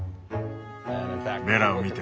ベラを見て。